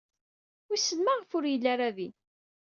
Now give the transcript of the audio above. Wissen maɣef ur yelli ara din.